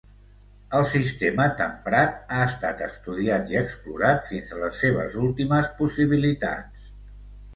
El sistema temprat ha estat estudiat i explorat fins a les seves últimes possibilitats.